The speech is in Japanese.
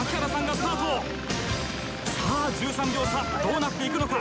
さあ１３秒差どうなっていくのか？